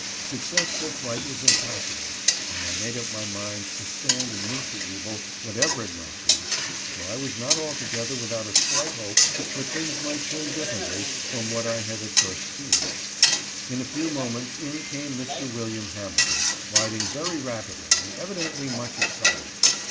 Successful flight was impossible, and I made up my mind to stand and meet the evil, whatever it might be, for I was not altogether without a slight hope that things might turn differently from what I had at first feared. In a few moments in came Mr. William Hamilton, riding very rapidly and evidently much excited.